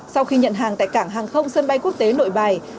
sau khi nhận hàng tại cảng hàng không sân bay quốc tế nội bài